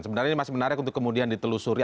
sebenarnya ini masih menarik untuk kemudian ditelusuri